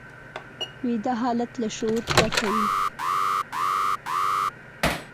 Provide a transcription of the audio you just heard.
ویده حالت له شعور پرته وي